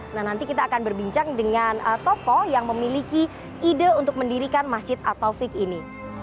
nah nanti kita akan berbincang dengan tokoh yang memiliki ide untuk mendirikan masjid at taufik ini